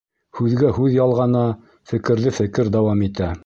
Һүҙгә һүҙ ялғана, фекерҙе фекер дауам итә.